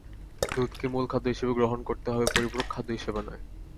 দুধকে মূল খাদ্য হিসেবে গ্রহণ করতে হবে, পরিপূরক খাদ্য হিসেবে নয়।